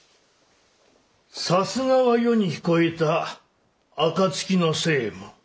さすがは世に聞こえた暁の星右衛門。